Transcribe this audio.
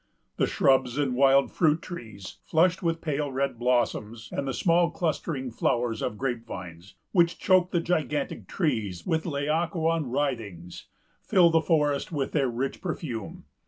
The shrubs and wild fruit trees, flushed with pale red blossoms, and the small clustering flowers of grape vines, which choke the gigantic trees with Laocoön writhings, fill the forest with their rich perfume.